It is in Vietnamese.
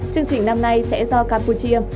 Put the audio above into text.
chương trình năm nay sẽ do campuchia